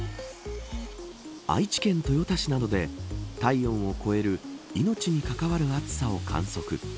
愛知県豊田市などで体温を超える命に関わる暑さを観測。